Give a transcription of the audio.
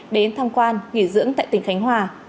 đến thăm quan nghỉ dưỡng tại tỉnh khánh hòa